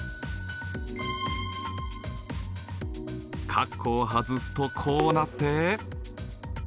カッコを外すとこうなって。